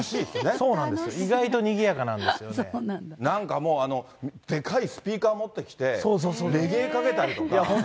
そうなんです、意外とにぎやなんかもう、でかいスピーカー持ってきて、レゲエかけたりとか。